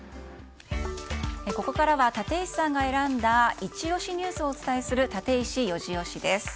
ここからは立石さんが選んだイチ押しニュースをお伝えするタテイシ４時推しです。